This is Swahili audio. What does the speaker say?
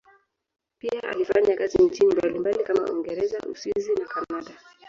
Pia alifanya kazi nchini mbalimbali kama Uingereza, Uswisi na Kanada.